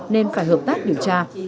nên phải hợp tác điều tra